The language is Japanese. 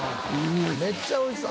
めっちゃ美味しそう。